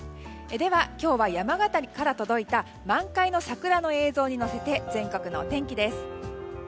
では、今日は山形から届いた満開の桜の映像に乗せて全国の天気です。